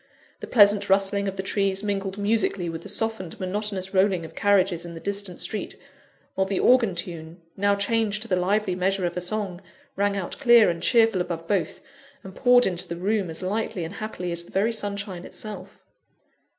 The pleasant rustling of the trees mingled musically with the softened, monotonous rolling of carriages in the distant street, while the organ tune, now changed to the lively measure of a song, rang out clear and cheerful above both, and poured into the room as lightly and happily as the very sunshine itself.